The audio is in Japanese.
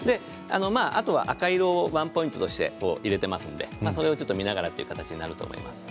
あとは、赤色をワンポイントとして入れていますので、それを見ながらという形になります。